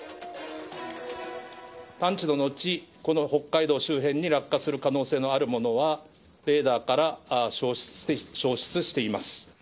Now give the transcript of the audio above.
探知の後、この北海道周辺に落下する可能性のあるものは、レーダーから消失しています。